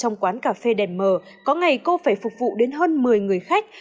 trong quán cà phê đèn mờ có ngày cô phải phục vụ đến hơn một mươi người khách